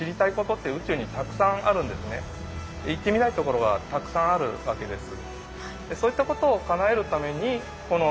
行ってみたいところはたくさんあるわけです。